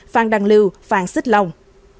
phan đăng lưu phan xích long